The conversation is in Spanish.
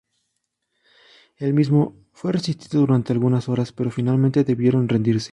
El mismo fue resistido durante algunas horas, pero finalmente debieron rendirse.